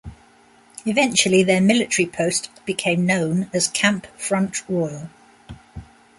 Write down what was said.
Eventually their military post became known as "Camp Front Royal".